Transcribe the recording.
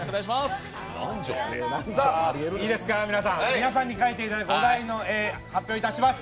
皆さんに描いてもらうお題の絵、発表します。